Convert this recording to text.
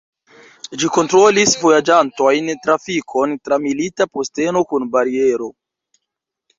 Ĝi kontrolis vojaĝantojn, trafikon tra milita posteno kun bariero.